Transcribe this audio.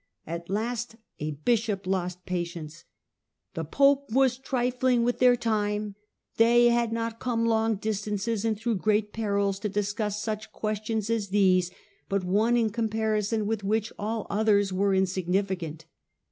At last a Digitized by VjOOQIC 200 HlLDEBRAND bishop lost patience :* the pope was trifling with their time ; they had not come long distances, and through great perils, to discnss such questions as these, but one in comparison with which all others were insignificant.'